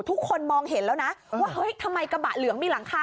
ทุกคนมองเห็นแล้วนะว่าเฮ้ยทำไมกระบะเหลืองมีหลังคา